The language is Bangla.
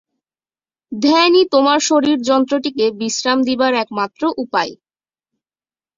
ধ্যানই তোমার শরীরযন্ত্রটিকে বিশ্রাম দিবার একমাত্র উপায়।